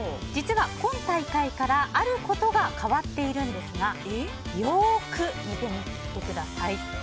実は今大会からあることが変わっているんですがよく見てみてください。